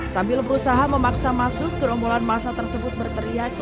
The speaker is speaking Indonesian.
sambil berusaha memaksa masuk kerombolan massa tersebut berteriak